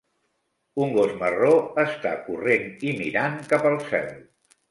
Un gos marró està corrent i mirant cap al cel.